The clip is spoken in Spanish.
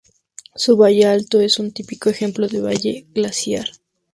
Su valle alto es un típico ejemplo de valle glaciar.